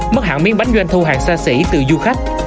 mất hạng miếng bánh doanh thu hàng xa xỉ từ du khách